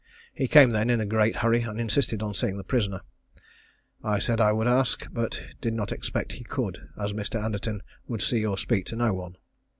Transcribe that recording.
He came then in a great hurry, and insisted on seeing the prisoner. I said I would ask, but did not expect he could, as Mr. Anderton would see or speak to no one.